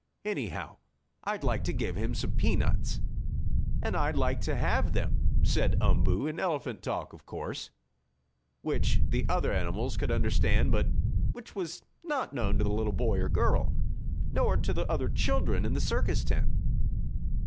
"Anyhow I'd like to give him some peanuts." "And I'd like to have them," said Umboo, in elephant talk, of course, which the other animals could understand, but which was not known to the little boy and girl, nor to the other children in the circus tent.